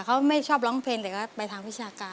เขาไม่ชอบร้องเพลงแต่ก็ไปทางวิชาการ